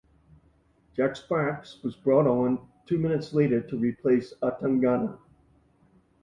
Jack Sparkes was brought on two minutes later to replace Atangana.